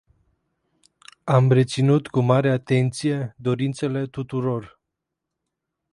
Am reținut cu mare atenție dorințele tuturor.